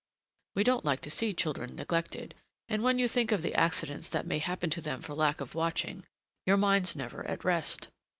We don't like to see children neglected; and when you think of the accidents that may happen to them for lack of watching, your mind's never at rest.